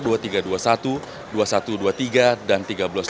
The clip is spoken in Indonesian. dua puluh satu dua puluh tiga dan tiga belas dua puluh satu